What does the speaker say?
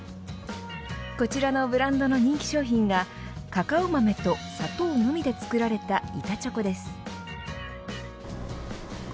こちらのブランドの人気商品がカカオ豆と砂糖のみで作られた板チョコです。